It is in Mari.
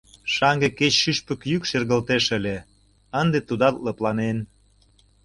Шаҥге кеч шӱшпык йӱк шергылтеш ыле, ынде тудат лыпланен.